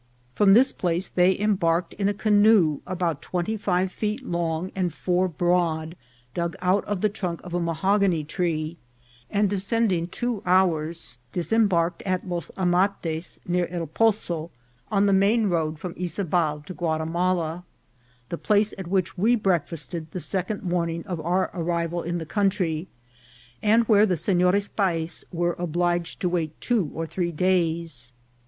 From this place they embarked in a canoe about twenty five feet long and four broad, dug out of the trunk of a mahogany tree, and descending two hours, disembarked at Los Amates, near El Poso, on the main road from Yzabal to Guatimala, the place at which we breakfasted the second morning of our arri val in the country, and where the Senores Payes were obliged to wait two or three days.